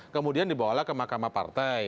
kemudian dibawalah ke mahkamah partai